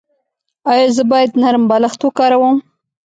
ایا زه باید نرم بالښت وکاروم؟